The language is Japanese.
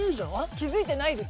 気付いてないです。